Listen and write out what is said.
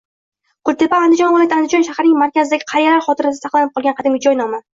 Kultepa - Andijon viloyati Andijon shahrining markazidagi qariyalar xotirasida saqlanib qolgan qadimiy joy nomi.